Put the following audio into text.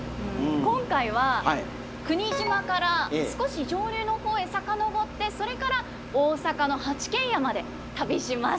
今回は柴島から少し上流の方へ遡ってそれから大阪の八軒家まで旅します。